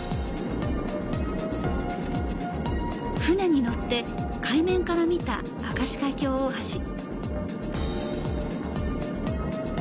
船に乗って海面から見た明石海峡大橋。